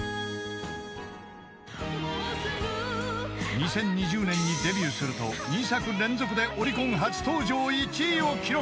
［２０２０年にデビューすると２作連続でオリコン初登場１位を記録］